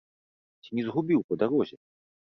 Ці не згубіў па дарозе?